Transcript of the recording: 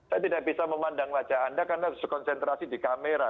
saya tidak bisa memandang wajah anda karena harus konsentrasi di kamera